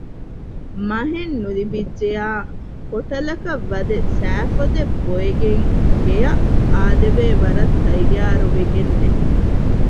މަހެއް ނުލިބިއްޖެޔާ ހޮޓަލަކަށް ވަދެ ސައިފޮދެއް ބޮއެގެން ގެއަށް އާދެވޭ ވަރަށް ތައްޔާރުވެގެންނެ